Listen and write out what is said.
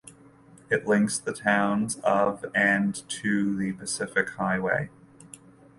It links the towns of and to the Pacific Highway.